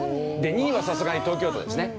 ２位はさすがに東京都ですね。